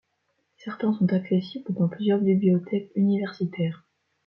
Certains sont accessibles dans plusieurs bibliothèques universitaires.